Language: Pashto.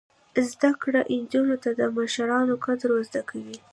زده کړه نجونو ته د مشرانو قدر ور زده کوي.